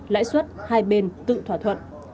lãi suất hai bên tự thỏa thuận